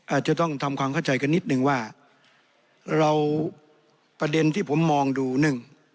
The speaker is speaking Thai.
อาจจะต้องทำความเข้าใจกันนิดนึงว่าเราประเด็นที่ผมมองดูหนึ่ง